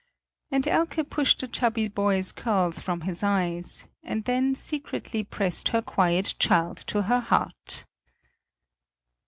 And Elke pushed the chubby boy's curls from his eyes, and then secretly pressed her quiet child to her heart.